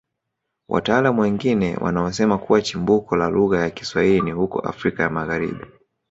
Wataalamu wengine wanaosema kuwa chimbuko la lugha ya Kiswahili ni huko Afrika ya Magharibi